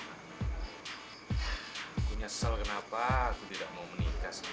aku nyesel kenapa aku tidak mau menikah